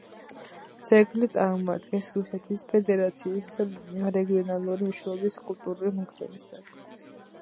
ძეგლი წარმოადგენს რუსეთის ფედერაციის რეგიონალური მნიშვნელობის კულტურული მემკვიდრეობის ძეგლს.